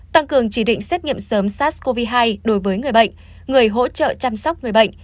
tăng cường chỉ định xét nghiệm sớm sars cov hai đối với người bệnh người hỗ trợ chăm sóc người bệnh